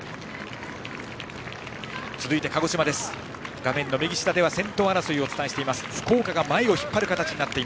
画面の右下では先頭争いをお伝えしています。